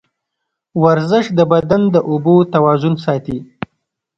ورزش د بدن د اوبو توازن ساتي.